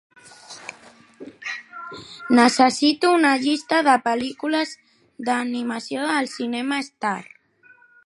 Necessito una llista de pel·lícules d'animació al cinema Star